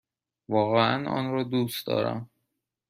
واقعا آن را دوست دارم!